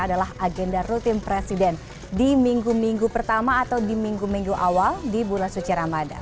adalah agenda rutin presiden di minggu minggu pertama atau di minggu minggu awal di bulan suci ramadan